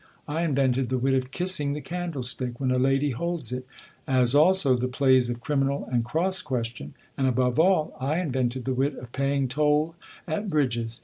I invented the wit of kissiug the candlestick when a lady holds it ; as also ib^ plays of criminal and cross question ; and above all, I invent ed the wit of paying toll at bridges.